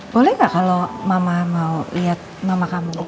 boleh gak kalau mama mau liat mama kamu